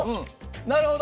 なるほど。